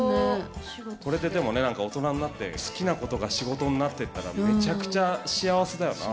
これででもね大人になって好きなことが仕事になってったらめちゃくちゃ幸せだよな。